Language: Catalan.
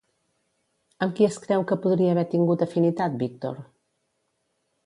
Amb qui es creu que podria haver tingut afinitat Víctor?